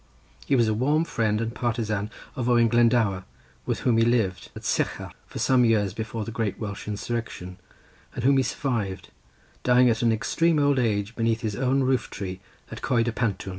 He was a warm friend and partisan of Owen Glendower, with whom he lived, at Sycharth, for some years before the great Welsh insurrection, and whom he survived, dying at an extreme old age beneath his own roof tree at Coed y Pantwn.